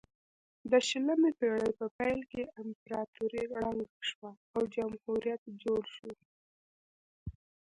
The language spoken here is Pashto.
د شلمې پیړۍ په پیل کې امپراتوري ړنګه شوه او جمهوریت جوړ شو.